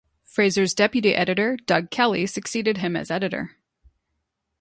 Fraser's deputy editor, Doug Kelly succeeded him as editor.